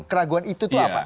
keraguan itu tuh apa